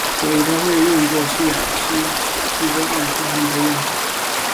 所以它会被用作吸收二氧化碳之用。